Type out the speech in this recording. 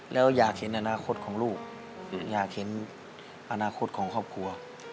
และผมก็อยากเห็นครอบครัว